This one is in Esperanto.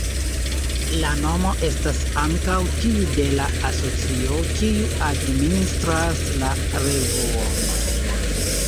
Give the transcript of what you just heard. La nomo estas ankaŭ tiu de la asocio, kiu administras la revuon.